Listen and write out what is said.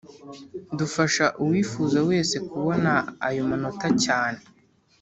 dufasha uwifuza wese kubona ayo manota cyane